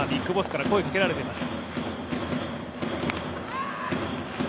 ＢＩＧＢＯＳＳから声をかけられています